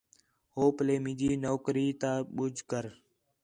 ہو پلّے مینجی نوکری تا ٻُجھ کر